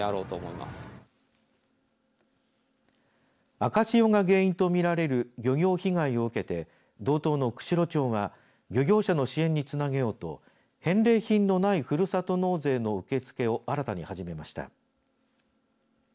赤潮が原因と見られる漁業被害を受けて道東の釧路町が漁業者の支援につなげようと返礼品のないふるさと納税の受け付けを新たに始めました。